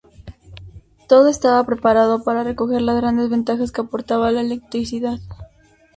Todo estaba preparado para recoger las grandes ventajas que aportaba la electricidad.